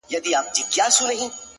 • ستا خيال وفكر او يو څو خـــبـــري ـ